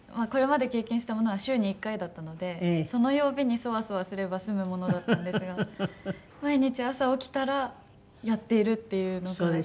これまで経験したものは週に１回だったのでその曜日にソワソワすれば済むものだったんですが毎日朝起きたらやっているっていうのが。